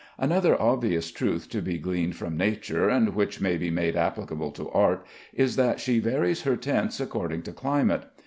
Another obvious truth to be gleaned from Nature, and which may be made applicable to art, is that she varies her tints according to climate.